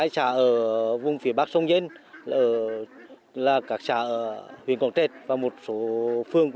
một mươi hai xã ở vùng phía bắc sông danh là các xã huyện quảng trạch và một số phương